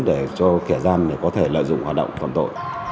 để cho khẻ gian có thể lợi dụng hoạt động toàn tội